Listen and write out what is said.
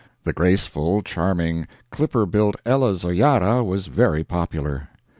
The graceful, charming, clipper built Ella Zoyara was very popular.